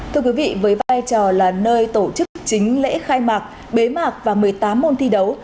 thưa quý vị với vai trò là nơi tổ chức chính lễ khai mạc bế mạc và một mươi tám môn thi đấu